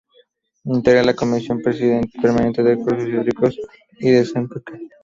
Integra la Comisión Permanente de Recursos Hídricos y Desertificación.